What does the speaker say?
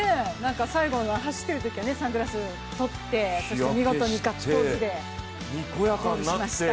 最後、走っているときはサングラスを取って見事にガッツポーズでゴールしました。